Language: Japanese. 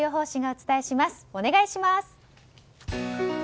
お願いします。